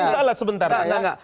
salah sebentar ya